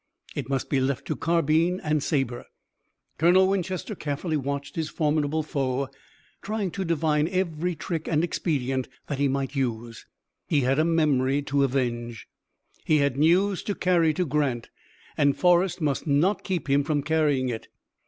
It must be left to carbine and saber. Colonel Winchester carefully watched his formidable foe, trying to divine every trick and expedient that he might use. He had a memory to avenge. He had news to carry to Grant, and Forrest must not keep him from carrying it.